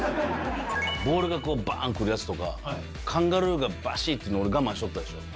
ボールがこう、ばーん来るやつとか、カンガルーがばしっと乗るの、俺我慢してたでしょ。